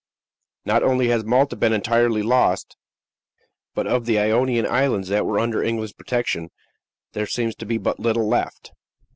Not only has Malta been entirely lost, but of the Ionian Islands that were under England's protection, there seems to be but little left."